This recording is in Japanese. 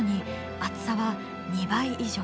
厚さは２倍以上。